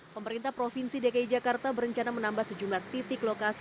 pemerintah provinsi dki jakarta berencana menambah sejumlah titik lokasi